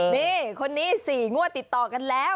นี่คนนี้๔งวดติดต่อกันแล้ว